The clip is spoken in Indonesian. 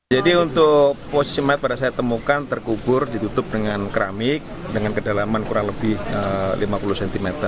jadi untuk posisi mat pada saya temukan terkubur ditutup dengan keramik dengan kedalaman kurang lebih lima puluh cm